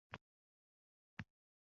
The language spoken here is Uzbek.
Men shunchaki oyna tutaman xolos.